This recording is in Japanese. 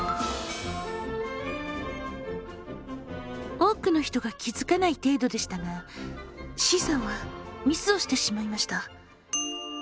多くの人が気づかない程度でしたがＣさんはミスをしてしまいました。